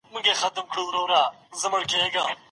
هلک او نجلۍ چيري يو بل سره ليدلای سي؟